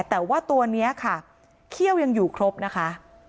แต่ว่าตัวนี้ค่ะเขี้ยวยังอยู่ครบนะคะ